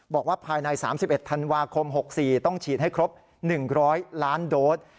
บอกว่าภายใน๓๑ธันวาคม๖๔ต้องฉีดให้ครบ๑๐๐ล้านโดส